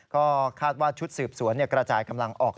ก็คาดว่าชุดสืบสวนกระจายกำลังออก